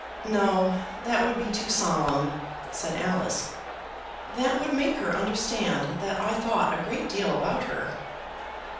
"No; that would be too solemn," said Alice. "That would make her understand that I thought a great deal about her."